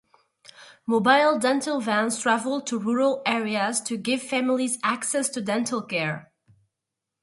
Mobile dental vans travel to rural areas to give families access to dental care.